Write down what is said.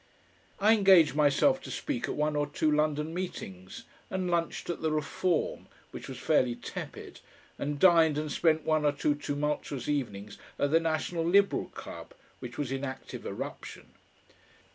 I engaged myself to speak at one or two London meetings, and lunched at the Reform, which was fairly tepid, and dined and spent one or two tumultuous evenings at the National Liberal Club, which was in active eruption.